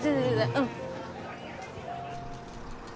うん。